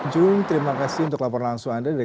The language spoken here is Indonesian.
jung terima kasih untuk laporan langsung anda